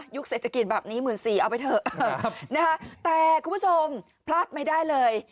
ยุคเศรษฐกิจแบบนี้หมื่นสี่เอาไปเถอะแต่คุณผู้ชมพลาดไม่ได้เลย